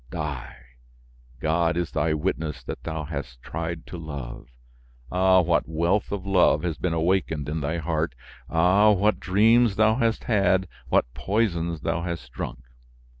Die! God is thy witness that thou hast tried to love. Ah! what wealth of love has been awakened in thy heart! Ah! what dreams thou hast had, what poisons thou hast drunk!